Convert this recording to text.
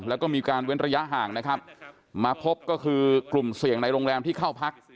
แล้วก็มีการเว้นระยะห่างนะครับมาพบก็คือกลุ่มเสี่ยงในโรงแรมที่เข้าพัก